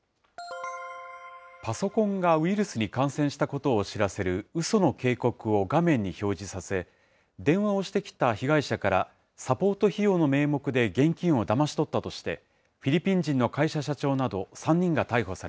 パソコンがウイルスに感染したことを知らせるうその警告を画面に表示させ、電話をしてきた被害者から、サポート費用の名目で現金をだまし取ったとして、